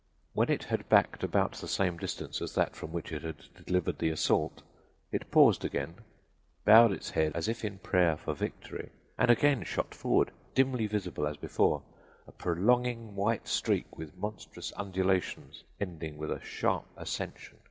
When it had backed about the same distance as that from which it had delivered the assault it paused again, bowed its head as if in prayer for victory and again shot forward, dimly visible as before a prolonging white streak with monstrous undulations, ending with a sharp ascension.